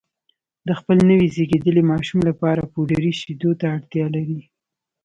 د خپل نوي زېږېدلي ماشوم لپاره پوډري شیدو ته اړتیا لري